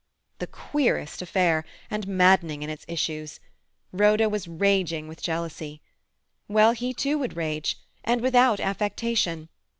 The queerest affair—and maddening in its issues! Rhoda was raging with jealousy. Well, he too would rage. And without affectation.